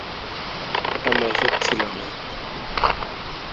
ওটা মাসিক ছিল না।